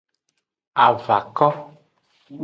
Avako.